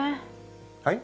はい？